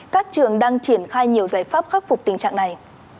các trường đang triển khai nhiều giải pháp khắc phục tình trạng này